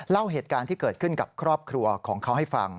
เล่าเหตุการณ์ที่เกิดขึ้นกับครอบครัวของเขาให้ฟัง